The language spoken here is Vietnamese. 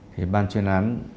thì ban chuyên án